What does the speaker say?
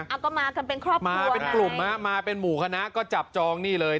เอาก็มากันเป็นครอบครัวมาเป็นกลุ่มฮะมาเป็นหมู่คณะก็จับจองนี่เลย